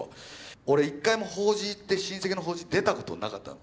俺一回も法事って親戚の法事出たことなかったの。